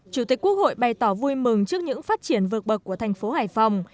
chủ tịch quốc hội bày tỏ vui mừng trước những phát triển vượt bậc của thành phố hải phòng